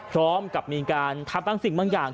พร้อมกับมีการทำบางสิ่งบางอย่าง